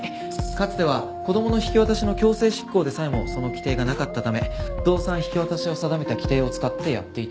かつては子供の引き渡しの強制執行でさえもその規定がなかったため動産引き渡しを定めた規定を使ってやっていたんです。